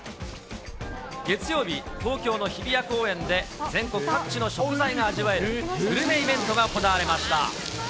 月曜日、東京の日比谷公園で、全国各地の食材が味わえるグルメイベントが行われました。